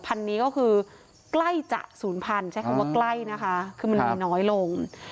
นี้ก็คือใกล้จะศูนย์พันธุ์ใช้คำว่าใกล้นะคะคือมันมีน้อยลง